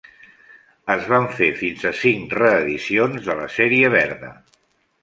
Es van fer fins a cinc reedicions de la sèrie verda.